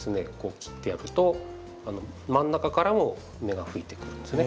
切ってやると真ん中からも芽が吹いてくるんですね。